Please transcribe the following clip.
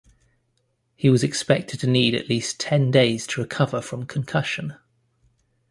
He was expected to need at least ten days to recover from concussion.